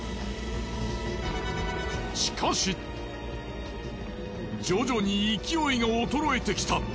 しかし。徐々に勢いが衰えてきた。